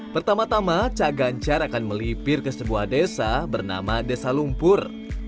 pertama tama cak ganjar akan melipir ke sebuah desa bernama desa lumpur